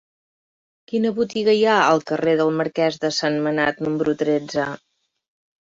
Quina botiga hi ha al carrer del Marquès de Sentmenat número tretze?